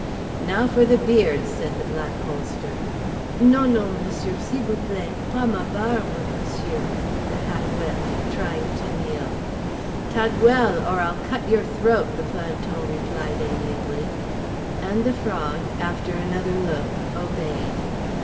"Now for the beard," said the Black Holster.—"No, no, Monsieur, s'il vous plait, pas ma barbe, monsieur"—The Hat wept, trying to kneel.—"Ta gueule or I'll cut your throat," the planton replied amiably; and The Frog, after another look, obeyed.